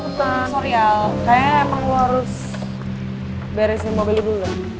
kayaknya emang lu harus beresin mobil lu dulu ya